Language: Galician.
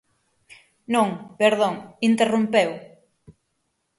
Non, perdón, interrompeu.